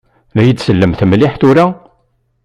La yi-d-sellemt mliḥ tura?